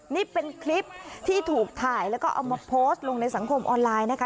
นี่เป็นคลิปที่ถูกถ่ายแล้วก็เอามาโพสต์ลงในสังคมออนไลน์นะคะ